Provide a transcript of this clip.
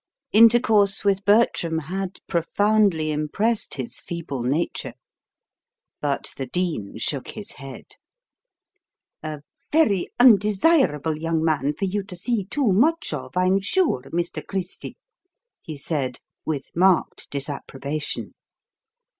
Intercourse with Bertram had profoundly impressed his feeble nature. But the Dean shook his head. "A very undesirable young man for you to see too much of, I'm sure, Mr. Christy," he said, with marked disapprobation.